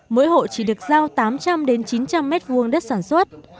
mỗi hộ chỉ được giao tám trăm linh chín trăm linh m hai đất sản xuất